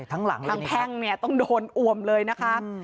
ทางแพ่งต้องโดนอวมเลยนะคะ